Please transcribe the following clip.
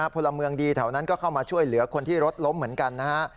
พลเมืองดีแถวนั้นก็เข้ามาช่วยเหลือคนที่รถล้มเหมือนกันนะฮะ